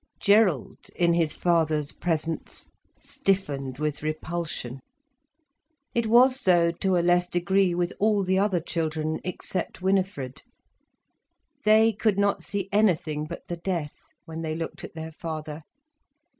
Gerald, in his father's presence, stiffened with repulsion. It was so, to a less degree, with all the other children except Winifred. They could not see anything but the death, when they looked at their father.